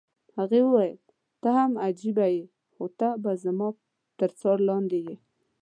هغې وویل: ته هم عجبه يې، خو ته به زما تر څار لاندې یې.